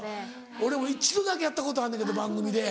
俺も一度だけやったことあんねんけど番組で。